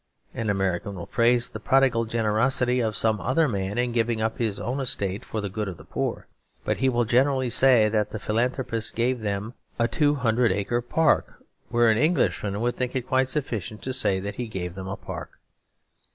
An American will praise the prodigal generosity of some other man in giving up his own estate for the good of the poor. But he will generally say that the philanthropist gave them a 200 acre park, where an Englishman would think it quite sufficient to say that he gave them a park.